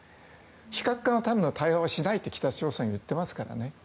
非核化のための対話はしないと北朝鮮は言ってますからね。